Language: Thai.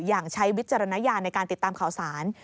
ใช้วิจารณญาณในการติดตามข่าวสาร